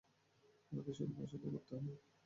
আমাদের শুধু পছন্দ করতে হয়।